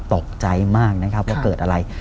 ตกใจมากนะครับว่าเกิดอะไร